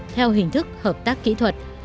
theo hình thức hợp tác kỹ thuật